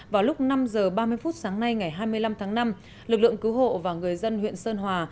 vào lúc năm h ba mươi phút sáng nay ngày hai mươi năm tháng năm lực lượng cứu hộ và người dân huyện sơn hòa